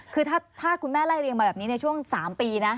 คือถ้าคุณแม่ไล่เรียงมาแบบนี้ในช่วง๓ปีนะ